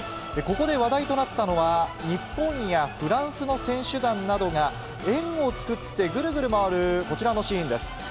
ここで話題となったのは、日本やフランスの選手団などが円を作ってぐるぐる回る、こちらのシーンです。